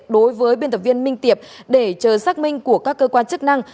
đối với biên tập viên minh tiệp để chờ xác minh của các cơ quan chức năng